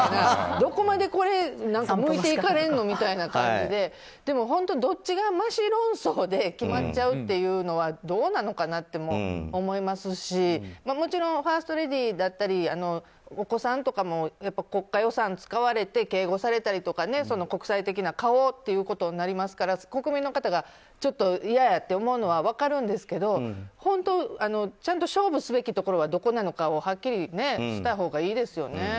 どこまで、むいていかれるのみたいな感じででも本当、どっちがもし論争で決まっちゃうっていうのはどうなのかなって思いますしもちろんファーストレディーだったりお子さんとかも国家予算を使われて警護されたりとか国際的な顔ということになりますから国民の方が、ちょっと嫌やって思うのは分かるんですけど本当ちゃんと勝負すべきところはどこなのかをはっきりしたほうがいいですよね。